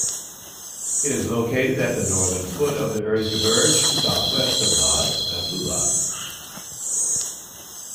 It is located at the northern foot of the Erzgebirge, southwest of Bad Gottleuba.